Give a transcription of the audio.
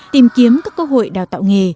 tìm kiếm các cơ hội đào tạo nghề